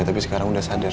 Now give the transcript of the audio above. tapi sekarang udah sadar